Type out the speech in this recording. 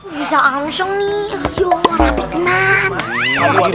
bisa langsung nih yuk mau nanti kenan